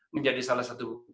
menjadi salah satu